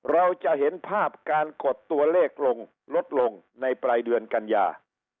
เราจะเห็นภาพการกดตัวเลขลงลดลงในปลายเดือนกันยา